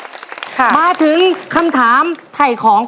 แล้ววันนี้ผมมีสิ่งหนึ่งนะครับเป็นตัวแทนกำลังใจจากผมเล็กน้อยครับ